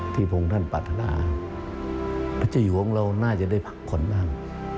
ที่พวกท่านปรารถนาพระเจ้าอยู่หัวของเราน่าจะได้ผลักขนบ้าง